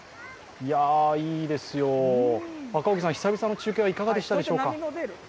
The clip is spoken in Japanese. いいですよ、赤荻さん、久々の中継はいかがでしたでしょうか？